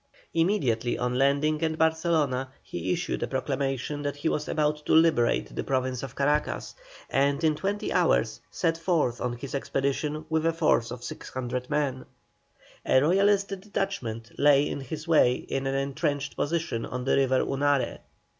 Immediately on landing at Barcelona he issued a proclamation that he was about to liberate the Province of Caracas, and in twenty hours set forth on his expedition with a force of 600 men. A Royalist detachment lay in his way in an entrenched position on the river Unare.